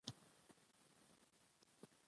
سلامونه درنو او معزز ملګرو!